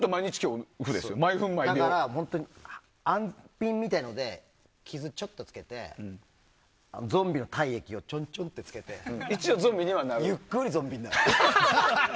だから安ピンみたいなので傷をちょっとつけてゾンビの体液をちょんちょんってつけてゆっくりゾンビになりたい。